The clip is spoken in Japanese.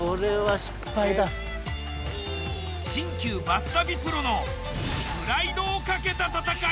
新旧バス旅プロのプライドをかけた戦い。